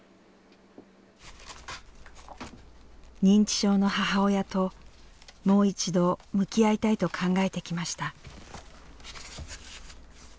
認知症の母親と、もう一度向き合いたいと考えてきました。